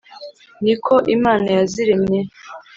Ni ko Imana yaziremye.